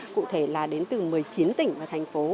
cụ thể là đến từ một mươi chín tỉnh và thành phố